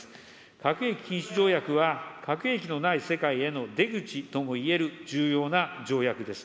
核兵器禁止条約は、核兵器のない世界への出口ともいえる、重要な条約です。